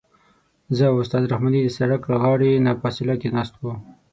زه او استاد رحماني د سړک له غاړې نه فاصله کې ناست وو.